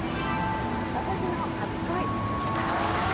「私の初恋」。